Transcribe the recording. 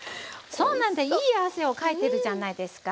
そうなんだいい汗をかいてるじゃないですか。